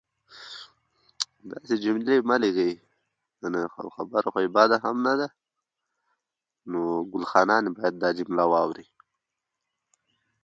له افغانانو سره جنګ کول په سيم ښاردار کوونه پاکول دي